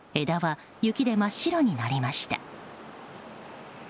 枝は雪で真っ白になりました。